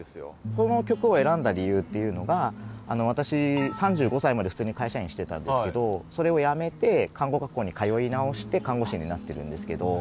この曲を選んだ理由っていうのが私３５歳まで普通に会社員してたんですけどそれを辞めて看護学校に通い直して看護師になってるんですけど。